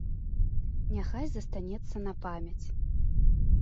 Няхай застанецца на памяць!